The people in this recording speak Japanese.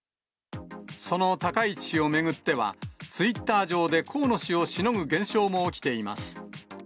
その高市氏を巡っては、ツイッター上で河野氏をしのぐ現象も起きています。